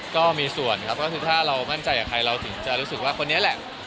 ก็มีส่วนครับก็คือถ้าเรามั่นใจกับใครเราถึงจะรู้สึกว่าคนนี้แหละ